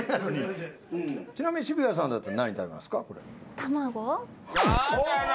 ちなみに渋谷さんだったら何食べますか？